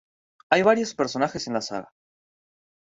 Hay varios personajes en la saga.